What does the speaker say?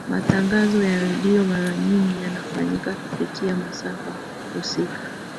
matangazo ya redio mara nyingi yanafanyika kupitia masafa husika